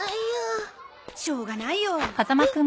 しょうがないよ。えっ？